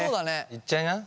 いっちゃいな。